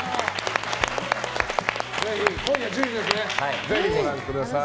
今夜１０時ぜひご覧ください。